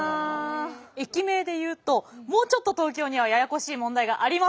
駅名で言うともうちょっと東京にはややこしい問題がありますので。